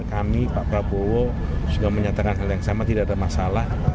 kami pak prabowo sudah menyatakan hal yang sama tidak ada masalah